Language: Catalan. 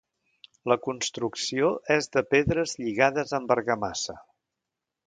La construcció és de pedres lligades amb argamassa.